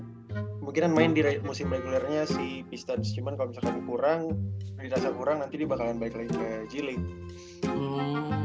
kemungkinan main di musim regulernya si pistone cuman kalau misalkan kurang dirasa kurang nanti dia bakalan balik lagi ke jilid